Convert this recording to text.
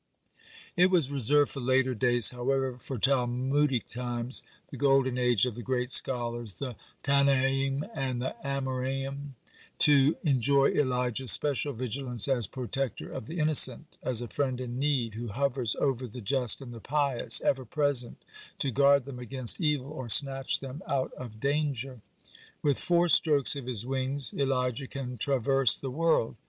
(45) It was reserved for later days, however, for Talmudic times, the golden age of the great scholars, the Tannaim and the Amoraim, to enjoy Elijah's special vigilance as protector of the innocent, as a friend in need, who hovers over the just and the pious, ever present to guard them against evil or snatch them out of danger. With four strokes of his wings Elijah can traverse the world.